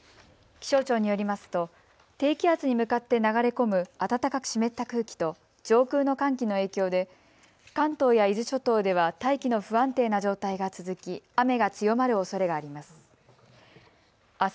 気象庁によりますと低気圧に向かって流れ込む暖かく湿った空気と上空の寒気の影響で、関東や伊豆諸島では大気の不安定な状態が続き雨が強まるおそれがあります。